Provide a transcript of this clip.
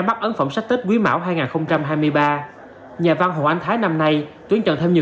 mắt ấn phẩm sách tết quý mão hai nghìn hai mươi ba nhà văn hồ ánh thái năm nay tuyên trần thêm nhiều